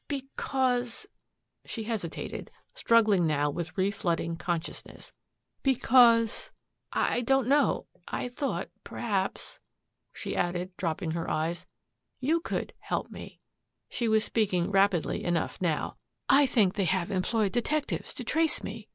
"Because," she hesitated, struggling now with re flooding consciousness, "because I don't know. I thought, perhaps " she added, dropping her eyes, "you could help me." She was speaking rapidly enough now, "I think they have employed detectives to trace me.